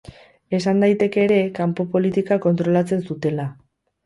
Esan daiteke ere, kanpo politika kontrolatzen zutela.